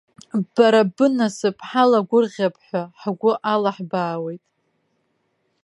Бара бынасыԥ ҳалагәырӷьап ҳәа ҳгәы алаҳбаауеит.